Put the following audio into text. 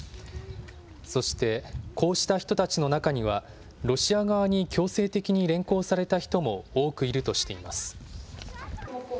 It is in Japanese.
そして、こうした人たちの中には、ロシア側に強制的に連行された人も多くいるとしています。